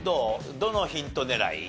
どのヒント狙い？